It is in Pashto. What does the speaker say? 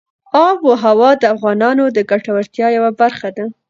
آب وهوا د افغانانو د ګټورتیا یوه برخه ده.